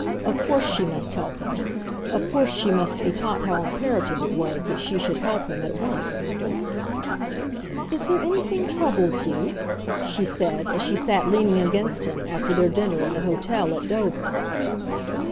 Of course she must help him. Of course she must be taught how imperative it was that she should help him at once. "Is there anything troubles you?" she said, as she sat leaning against him after their dinner in the hotel at Dover.